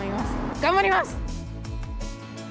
頑張ります。